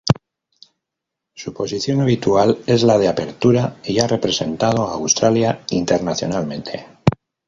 Su posición habitual es la de apertura y ha representado a Australia internacionalmente.